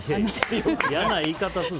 嫌な言い方する。